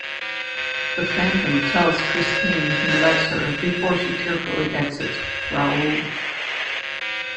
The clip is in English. The Phantom tells Christine he loves her, before she tearfully exits with Raoul.